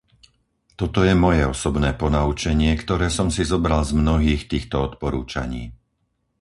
Toto je moje osobné ponaučenie, ktoré som si zobral z mnohých týchto odporúčaní.